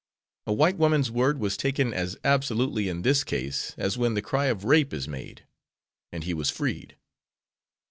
A white woman's word was taken as absolutely in this case as when the cry of rape is made, and he was freed.